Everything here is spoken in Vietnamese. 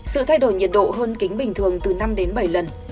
sự thay đổi nhiệt độ hơn kính bình thường từ năm đến bảy lần